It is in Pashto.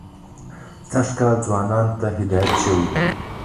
سږ کال ځوانانو ته هدایت شوی.